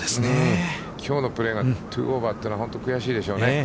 きょうのプレーが２オーバーというのは本当悔しいでしょうね。